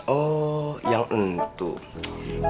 oh yang entuh